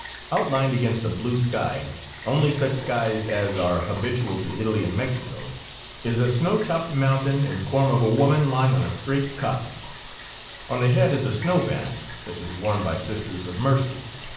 Outlined against a blue sky, only such skies as are habitual to Italy and Mexico, is a snow topped mountain in form of a woman lying on a straight cot; on the head is a snow band, such as worn by Sisters of Mercy.